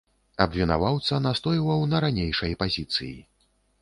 Абвінаваўца настойваў на ранейшай пазіцыі.